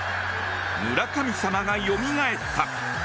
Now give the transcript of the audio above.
村神様がよみがえった。